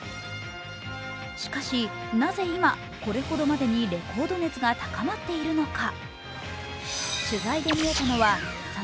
しかしなぜ今、これほどまでにレコード熱が高まっているのか。